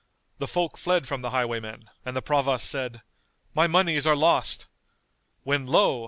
The folk fled from the highwaymen, and the Provost said, "My monies are lost!"; when, lo!